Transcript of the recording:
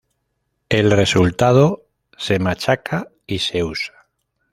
El resultado se machaca y se usa.